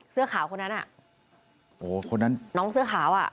เสื้อขาวคนนั้นน้องเสื้อขาวอ่ะ